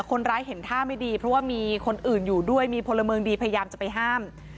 คนร้ายเห็นท่าไม่ดีเพราะว่ามีคนอื่นอยู่ด้วยมีพลเมืองดีพยายามจะไปห้าม